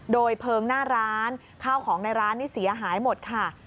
โดยเพลิงหน้าร้านข้าวของในร้านนี่เสียหายหมดค่ะ